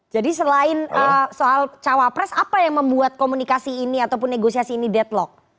jadi selain soal cawapres apa yang membuat komunikasi ini ataupun negosiasi ini deadlock